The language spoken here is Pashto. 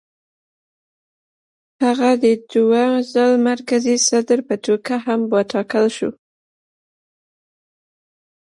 هغه د دوو ځل مرکزي صدر په توګه هم وټاکل شو.